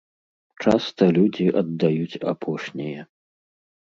Часта людзі аддаюць апошняе.